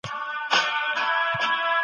سرکس زموږ ماشومانو ته نوی مفهوم دی.